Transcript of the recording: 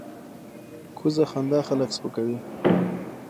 کوږه خندا خلک سپکوي